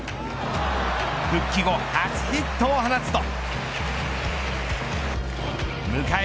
復帰後初ヒットを放つと。